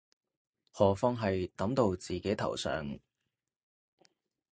何況係揼到自己頭上